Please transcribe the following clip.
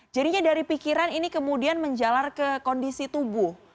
jadinya dari pikiran ini kemudian menjalar ke kondisi tubuh